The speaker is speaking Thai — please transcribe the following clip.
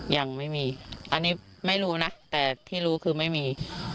ยังไม่มีอันนี้ไม่รู้นะแต่ที่รู้คือไม่มี